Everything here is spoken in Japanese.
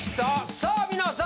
さあ皆さん